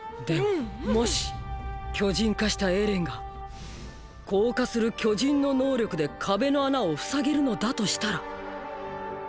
でももし巨人化したエレンが硬化する巨人の能力で壁の穴を塞げるのだとしたら。！！